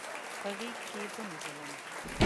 په غېږ کې ونیولم.